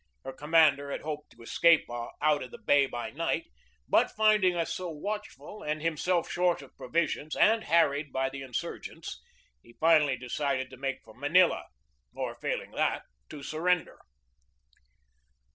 Her commander had hoped to escape out of the bay by night, but finding us so watchful and himself short of provisions and harried by the insur gents, he finally decided to make for Manila, or, fail ing that, to surrender.